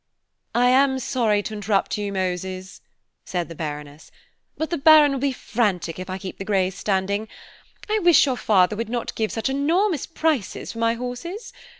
"I am sorry to interrupt you, Moses," said the Baroness, "but the Baron will be frantic if I keep the greys standing; I wish your father would not give such enormous prices for my horses.